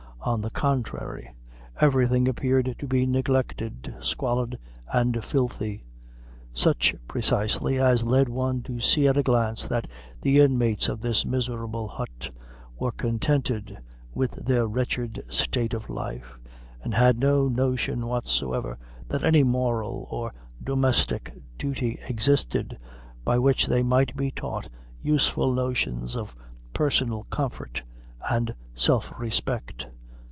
On the contrary, everything appeared to be neglected, squalid and filthy such, precisely, as led one to see at a glance that the inmates of this miserable hut were contented with their wretched state of life, and had no notion whatsoever that any moral or domestic duty existed, by which they might be taught useful notions of personal comfort and self respect.